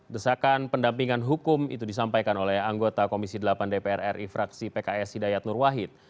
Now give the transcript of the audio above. desakan pendampingan hukum itu disampaikan oleh anggota komisi delapan dpr ri fraksi pks hidayat nur wahid